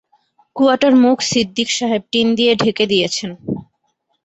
Quarter মুখ সিদ্দিক সাহেব tin দিয়ে ঢেকে দিয়েছেন।